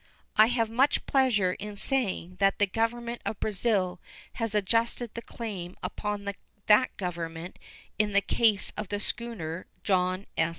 I have much pleasure in saying that the Government of Brazil has adjusted the claim upon that Government in the case of the schooner John S.